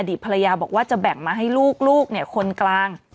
ภรรยาบอกว่าจะแบ่งมาให้ลูกลูกคนกลาง